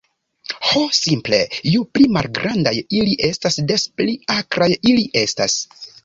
"Ho simple, ju pli malgrandaj ili estas, des pli akraj ili estas."